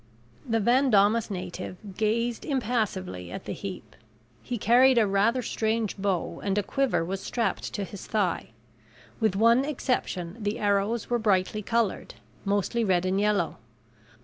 The Van Daamas native gazed impassively at the heap. He carried a rather strange bow and a quiver was strapped to his thigh. With one exception, the arrows were brightly colored, mostly red and yellow.